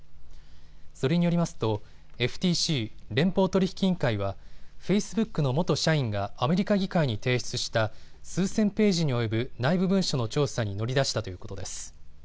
それによりますとＦＴＣ・連邦取引委員会はフェイスブックの元社員がアメリカ議会に提出した数千ページに及ぶ内部文書の調査に乗り出したということです。